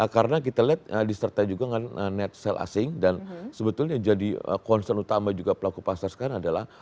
karena kita lihat disertai juga dengan net sale asing dan sebetulnya jadi concern utama juga pelaku pasar sekarang adalah